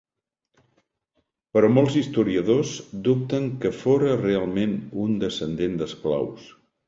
Però molts historiadors dubten que fóra realment un descendent d'esclaus.